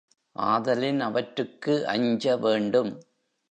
ஆதலின் அவற்றுக்கு அஞ்ச வேண்டும்.